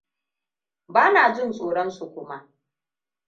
Bana jin tsoron su kuma.